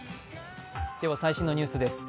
最新のニュースです。